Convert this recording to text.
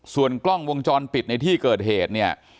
ส่วนกล้องวงจรปิดในที่เกิดเหตุเนี่ย